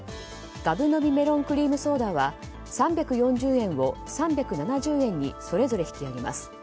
がぶ飲みメロンクリームソーダは３４０円を３７０円にそれぞれ引き上げます。